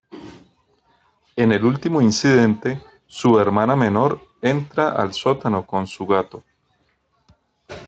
En el último incidente, su hermana menor entra al sótano con su gato.